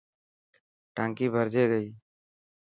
ٽانڪي ڀرجي گئي.